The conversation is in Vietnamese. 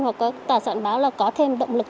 hoặc tờ sản báo có thêm động lực